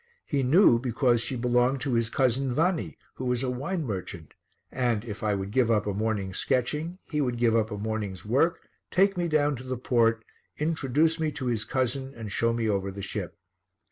He knew because she belonged to his cousin Vanni, who was a wine merchant and, if I would give up a morning's sketching, he would give up a morning's work, take me down to the port, introduce me to his cousin and show me over the ship.